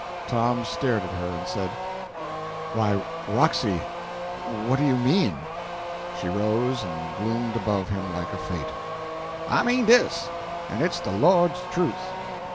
Tom stared at her, and said "Why, Roxy, what do you mean?" She rose, and gloomed above him like a Fate. "I means dis en it's de Lord's truth.